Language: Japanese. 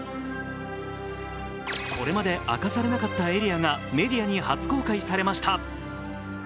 これまで明かされなかったエリアがメディアに初公開されました。